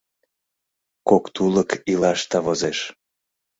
Кок тулык илашда возеш.